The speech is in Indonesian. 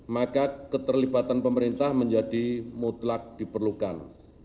maka keterlibatan pemerintah menjadi mutlak diperlukan